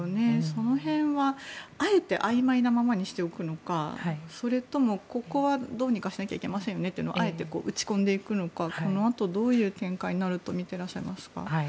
その辺は、あえてあいまいなままにしておくのかそれとも、ここはどうにかしなきゃいけませんよねとあえて打ち込んでいくのかこのあと、どういう展開になるとみていらっしゃいますか。